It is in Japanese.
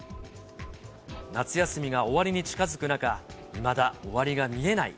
夏休みが終わりに近づく中、いまだ終わりが見えない